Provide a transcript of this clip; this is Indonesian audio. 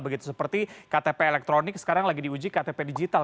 begitu seperti ktp elektronik sekarang lagi diuji ktp digital